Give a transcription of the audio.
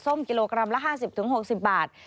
กิโลกรัมละ๕๐๖๐บาท